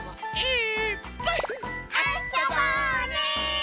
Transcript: え？